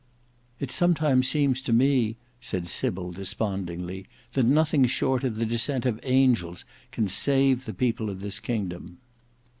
"It sometimes seems to me," said Sybil despondingly, "that nothing short of the descent of angels can save the people of this kingdom."